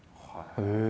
へえ！